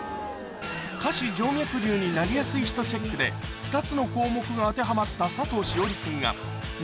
下肢静脈瘤になりやすい人チェックで２つの項目が当てはまった佐藤栞里